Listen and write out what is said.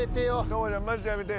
朋ちゃんマジでやめて。